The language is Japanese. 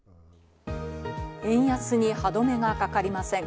円安に歯止めがかかりません。